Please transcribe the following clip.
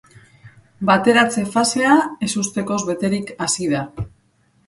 Bateratze fasea ezustekoz beterik hasi da.